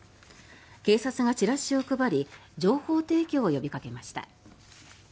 警察がチラシを配り情報提供を呼びかけました。